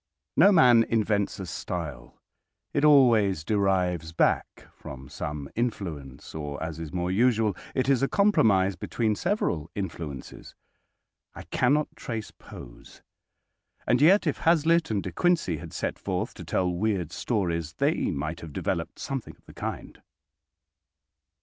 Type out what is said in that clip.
No man invents a style. It always derives back from some influence, or, as is more usual, it is a compromise between several influences. I cannot trace Poe's. And yet if Hazlitt and De Quincey had set forth to tell weird stories they might have developed something of the kind.